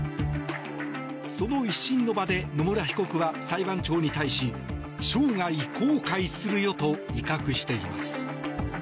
その１審の場で野村被告は裁判長に対し生涯、後悔するよと威嚇しています。